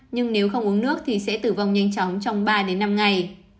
nhưng nếu không uống nước thì sẽ tử vong nhanh chóng trong ba năm ngày